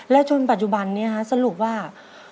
และจนปัจจุบันนี้ธรรมสรุปว่า